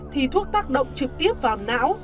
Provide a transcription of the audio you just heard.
thì thuốc tác động trực tiếp vào não